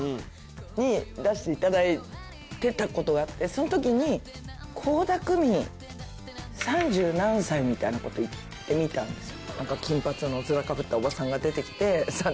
その時に倖田來未三十何歳みたいな事を言ってみたんですよ。